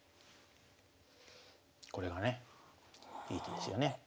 これがねいい手ですよね。